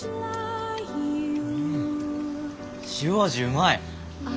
塩味うまい！